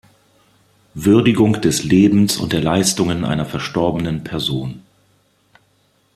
Würdigung des Lebens und der Leistungen einer verstorbenen Person.